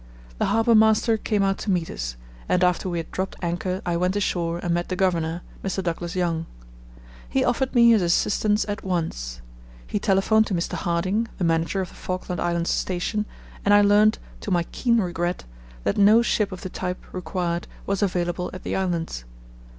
The harbour master came out to meet us, and after we had dropped anchor I went ashore and met the Governor, Mr. Douglas Young. He offered me his assistance at once. He telephoned to Mr. Harding, the manager of the Falkland Islands station, and I learned, to my keen regret, that no ship of the type required was available at the islands.